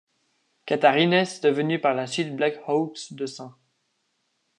Catharines, devenus par la suite Black Hawks de St.